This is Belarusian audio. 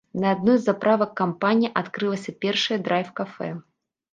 На адной з заправак кампаніі адкрылася першае драйв-кафэ.